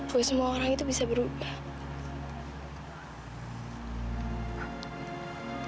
kue semua orang itu bisa berubah